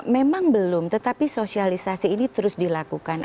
memang belum tetapi sosialisasi ini terus dilakukan